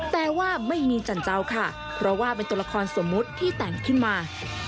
แต่ว่าไม่มีจันเจ้าค่ะเพราะว่าเป็นตัวละครสมมุติที่แต่งขึ้นมา